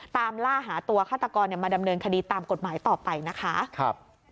ตามล่าหาตัวฆาตกรมาดำเนินคดีตามกฎหมายต่อไปนะคะ